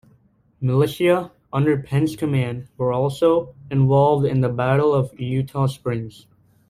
Militia under Penn's command were also involved in the Battle of Eutaw Springs.